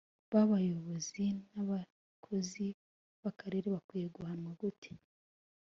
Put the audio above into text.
Ba bakozi n’abayobozi b’akarere bakwiye guhanwa gute